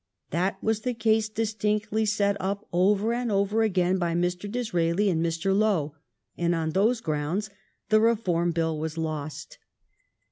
That was the case distinctly set up over and over again by Mr. Disraeli and Mr. Lowe, and on those grounds the Reform Bill was lost.